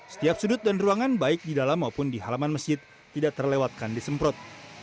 setiap sudut dan ruangan baik di dalam maupun di halaman masjid tidak terlewatkan disemprot